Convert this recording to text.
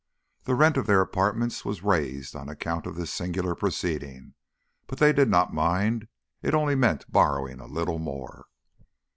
The rent of their apartments was raised on account of this singular proceeding, but that they did not mind. It only meant borrowing a little more.